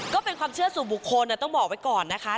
ก็เป็นความเชื่อสู่บุคคลต้องบอกไว้ก่อนนะคะ